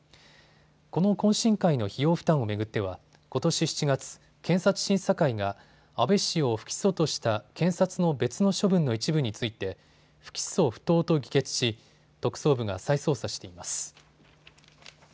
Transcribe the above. この懇親会の費用負担を巡ってはことし７月、検察審査会が安倍氏を不起訴とした検察の別の処分の一部について不起訴不当と議決し特捜部が再捜査しています。